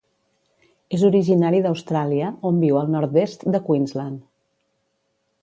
És originari d'Austràlia, on viu al nord-est de Queensland.